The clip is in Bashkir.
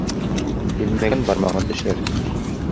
Белмәгән бармағын тешләр.